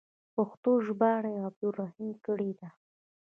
پښتو ژباړه یې عبدالرحیم کړې ده.